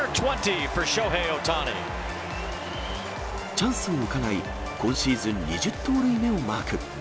チャンスをうかがい、今シーズン２０盗塁目をマーク。